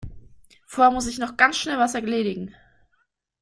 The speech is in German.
Vorher muss ich noch ganz schnell was erledigen.